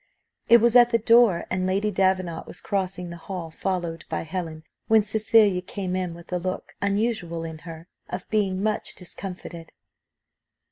It was at the door, and Lady Davenant was crossing the hall followed by Helen, when Cecilia came in with a look, unusual in her, of being much discomfited.